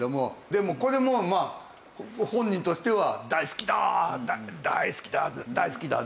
でもこれも本人としては「大好きだ大好きだ大好きだ！」